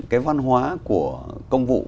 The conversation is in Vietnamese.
cái văn hóa của công vụ